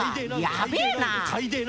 やべえな！